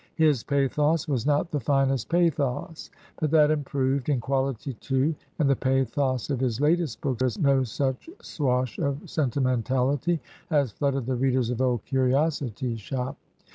His pathos was not the finest pathos, but that improved in quahty, too, and the pathos of his latest books is no such swash of senti mentality as flooded the readers of "Old Curiosity Shop."